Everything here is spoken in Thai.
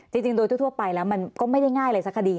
จริงโดยทั่วไปแล้วมันก็ไม่ได้ง่ายเลยสักคดี